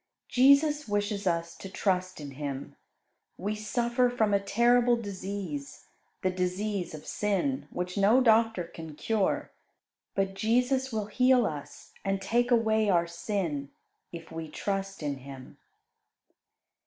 Jesus wishes us to trust in Him. We suffer from a terrible disease the disease of sin, which no doctor can cure; but Jesus will heal us and take away our sin if we trust in Him.